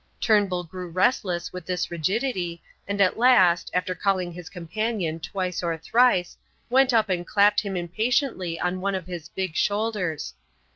Turnbull grew restless with this rigidity, and at last, after calling his companion twice or thrice, went up and clapped him impatiently on one of his big shoulders.